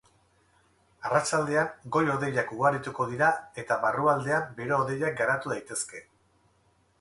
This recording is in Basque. Arratsaldean goi-hodeiak ugarituko dira eta barrualdean bero-hodeiak garatu daitezke.